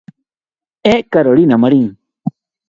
É Carolina Marín.